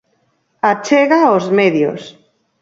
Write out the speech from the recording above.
Achega os medios.